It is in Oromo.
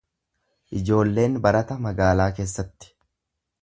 Ijoolleen barata magaalaa keessatti.